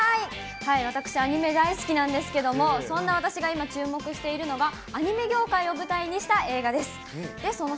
私、アニメ大好きなんですけれども、そんな私が今、注目しているのが、アニメ業界を舞台にした映画です。